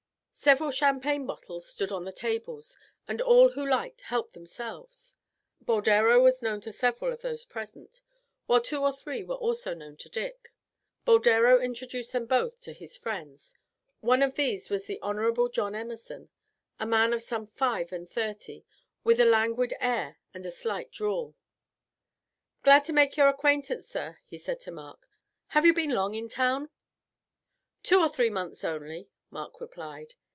Several champagne bottles stood on the tables, and all who liked helped themselves. Boldero was known to several of those present, while two or three were also known to Dick. Boldero introduced them both to his friends. One of these was the Hon. John Emerson, a man of some five and thirty, with a languid air and a slight drawl. "Glad to make your acquaintance, sir," he said to Mark. "Have you been long in town?" "Two or three months only," Mark replied.